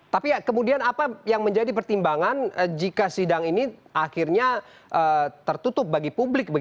tapi kemudian apa yang menjadi pertimbangan jika sidang ini akhirnya tertutup bagi publik